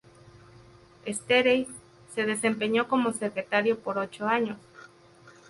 Starace se desempeñó como secretario por ocho años.